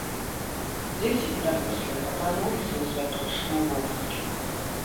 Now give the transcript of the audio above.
Дзеці і дарослыя апрануліся ў святочныя вопраткі.